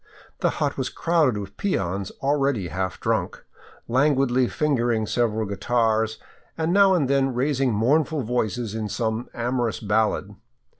The hut was crowded with peons already half drunk, languidly fingering several guitars and now and then raising mournful voices in some amorous ballad.